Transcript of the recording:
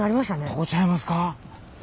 ここちゃいますか。